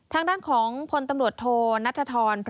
ทางด้านของผลตำรวจโทรณัฐธรพระสุนธร